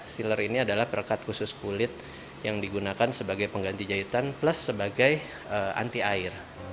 sealer ini adalah perkat khusus kulit yang digunakan sebagai pengganti jahitan plus sebagai antipenjahitan